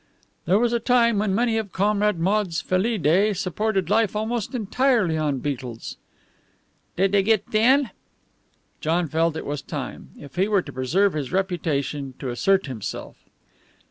"There was a time when many of Comrade Maude's Felidae supported life almost entirely on beetles." "Did they git thin?" John felt it was time, if he were to preserve his reputation, to assert himself.